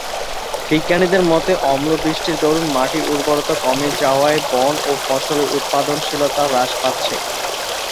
বিজ্ঞানীদের মতে অম্লবৃষ্টির দরুন মাটির উর্বরতা কমে যাওয়ায় বন ও ফসলের উৎপাদনশীলতা হ্রাস পাচ্ছে।